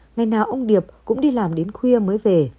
ngày nào ông điệp cũng đi làm đến khuya mới về